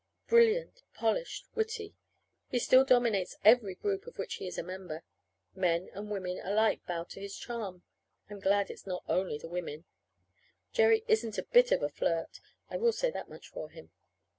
Brilliant, polished, witty he still dominates every group of which he is a member. Men and women alike bow to his charm. (I'm glad it's not only the women. Jerry isn't a bit of a flirt. I will say that much for him.